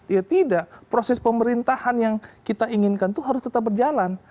ya tidak proses pemerintahan yang kita inginkan itu harus tetap berjalan